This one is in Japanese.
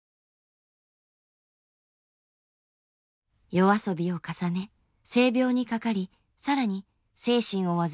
夜遊びを重ね性病にかかり更に精神を患います。